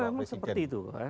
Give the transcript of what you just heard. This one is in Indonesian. karena memang seperti itu